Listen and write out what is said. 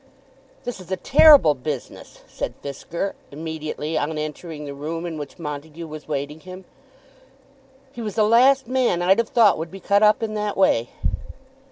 "This is a terrible business," said Fisker, immediately on entering the room in which Montague was waiting him. "He was the last man I'd have thought would be cut up in that way."